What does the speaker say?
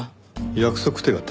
約束手形？